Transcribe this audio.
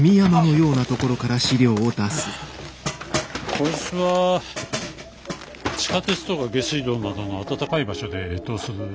こいつは地下鉄とか下水道などのあたたかい場所で越冬する